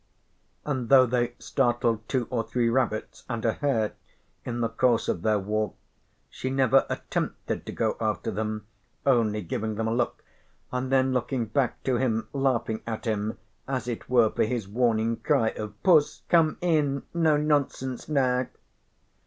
And though they startled two or three rabbits and a hare in the course of their walk she never attempted to go after them, only giving them a look and then looking back to him, laughing at him as it were for his warning cry of "Puss! come in, no nonsense now!"